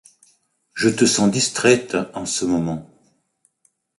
Je te sens distraite, en ce moment…